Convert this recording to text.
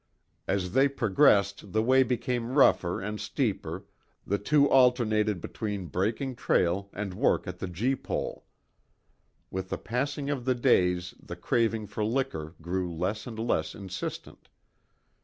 As they progressed the way became rougher and steeper, the two alternated between breaking trail and work at the gee pole. With the passing of the days the craving for liquor grew less and less insistent.